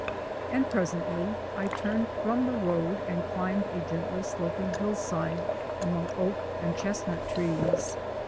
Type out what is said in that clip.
And presently I turned from the road and climbed a gently sloping hillside among oak and chestnut trees.